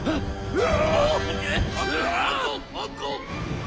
うわ！